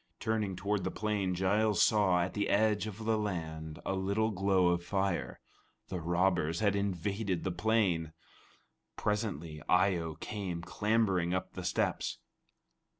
Turning toward the plain, Giles saw, at the edge of the land, a little glow of fire. The robbers had invaded the plain! Presently Eye o came clambering up the steps.